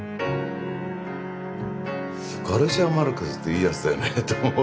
ガルシア・マルケスっていいやつだよねと思って。